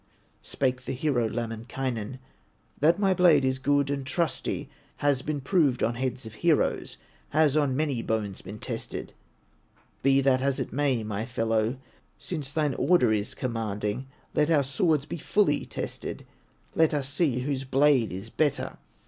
Spake the hero, Lemminkainen: "That my blade is good and trusty, Has been proved on heads of heroes, Has on many bones been tested; Be that as it may, my fellow, Since thine order is commanding, Let our swords be fully tested, Let us see whose blade is better.